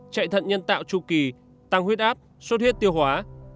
chạy thận nhân tạo tru kỳ tăng huyết áp suất huyết tiêu hóa